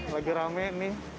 wah lagi rame nih